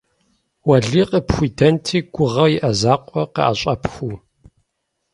Уэлий къыпхуидэнти гугъэу иӀэ закъуэр къыӀэщӀэпхыу!